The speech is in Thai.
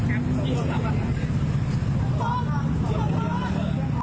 กลับมารับทราบ